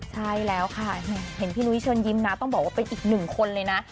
ใช่แล้วค่ะเห็นพี่นุ้ยเชิญยิ้มนะต้องบอกว่าเป็นอีกหนึ่งคนเลยนะ